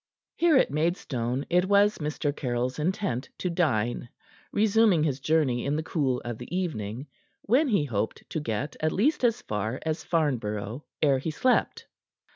Here at Maidstone it was Mr. Caryll's intent to dine, resuming his journey in the cool of the evening, when he hoped to get at least as far as Farnborough ere he slept.